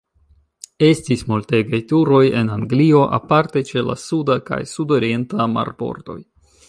Estis multegaj turoj en Anglio, aparte ĉe la suda kaj sudorienta marbordoj.